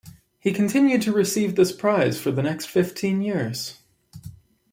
He continued to receive this prize for the next fifteen years.